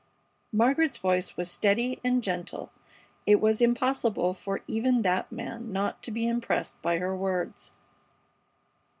Margaret's voice was steady and gentle. It was impossible for even that man not to be impressed by her words.